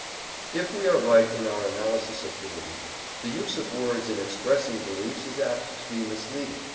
If we are right in our analysis of belief, the use of words in expressing beliefs is apt to be misleading.